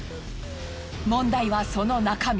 問題はその中身。